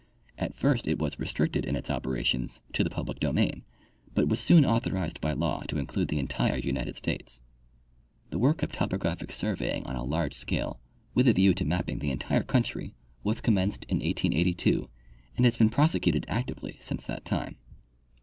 At first it was restricted in its operations to the public domain, but was soon authorized by laAV to include the entire United States. The work of topographic surveying on a large scale, with a view to mapping the entire country, was commenced in 1882 and has been prosecuted actively since that time.